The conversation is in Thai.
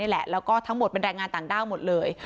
แล้วก็ทั้งหมดเป็นแรงงานต่างด้าวหมดเลย